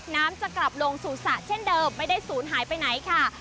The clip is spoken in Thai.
น้ำจะกลับลงสู่สระเช่นเดิมไม่ได้ศูนย์หายไปไหนค่ะ